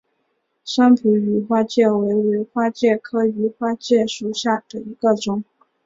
三浦羽花介为尾花介科羽花介属下的一个种。